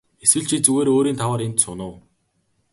Эсвэл чи зүгээр өөрийн тааваар энд сууна уу.